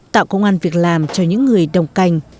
tạo công an việc làm cho những người đồng cành